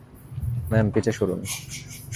Ma'am, পিছে সরুন।